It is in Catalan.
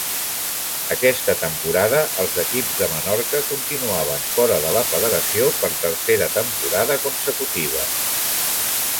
Aquesta temporada els equips de Menorca continuaven fora de la federació per tercera temporada consecutiva.